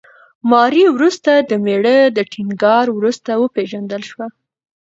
ماري وروسته د مېړه د ټینګار وروسته وپېژندل شوه.